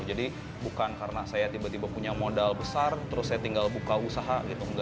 jadi bukan karena saya tiba tiba punya modal besar terus saya tinggal buka usaha